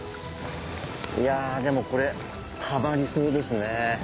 いやでもこれハマりそうですね。